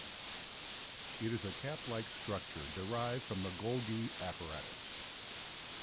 It is a cap-like structure derived from the Golgi apparatus.